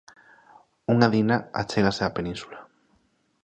Unha Dina achégase á península